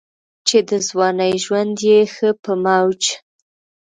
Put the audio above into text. چې دَځوانۍ ژوند ئې ښۀ پۀ موج